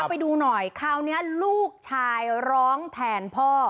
ไปดูหน่อยคราวนี้ลูกชายร้องแทนพ่อ